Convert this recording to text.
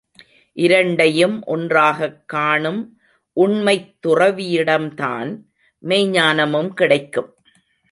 இரண்டையும் ஒன்றாகக் காணும் உண்மைத் துறவியிடம் தான் மெய்ஞ்ஞானமும் கிடைக்கும்.